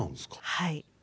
はい。